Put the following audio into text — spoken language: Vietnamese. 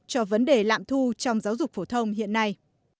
cho vấn đề lạm thu trong giáo dục phổ thông hiện nay